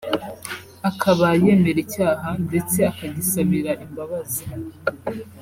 akaba yemera icyaha ndetse akagisabira imbabazi